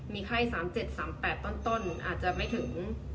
มีไข้๓๗๓๘ต้นอาจจะไม่ถึง